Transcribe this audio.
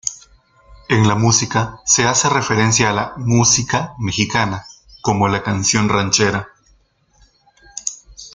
En la música se hace referencia a la "música" mexicana, como la canción ranchera.